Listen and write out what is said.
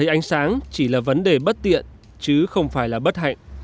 ánh sáng chỉ là vấn đề bất tiện chứ không phải là bất hạnh